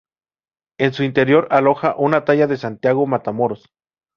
En su interior aloja un talla de Santiago Matamoros.